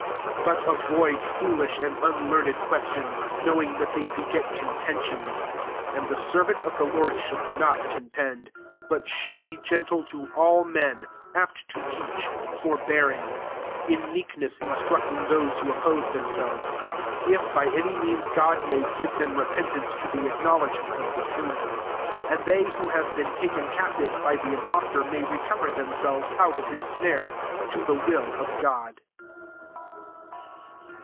23 But avoid foolish and unlearned questions) knowing that they beg^ con tentions : 24 and the servant of the Lord should not contend; but should be gentle to all met, apt to teach, forbearing ; 25 in meekness instructing those who oppose themselves; if by any means God may give them re pentance to the acknowledg ment of the truth : 26 and tbey who have been taken captive by the impostor may recover then selves out of his snare, to the will of God.